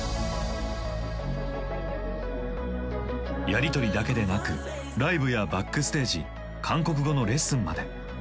やり取りだけでなくライブやバックステージ韓国語のレッスンまで。